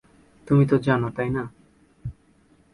তুমি তো জানো তাই না?